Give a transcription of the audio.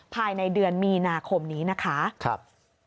ภายในเดือนมีนาคมนี้นะคะ